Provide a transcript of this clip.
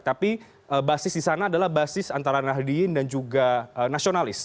tapi basis disana adalah basis antara nahdlin dan juga nasionalis